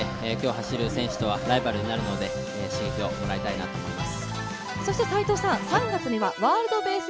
僕も出場するので今日出場する選手とはライバルになるので刺激をもらいたいなと思います。